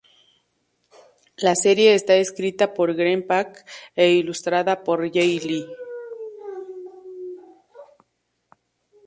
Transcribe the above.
La serie está escrita por Greg Pak e ilustrada por Jae Lee.